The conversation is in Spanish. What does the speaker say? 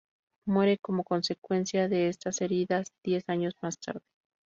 Muere como consecuencia de estas heridas diez años más tarde.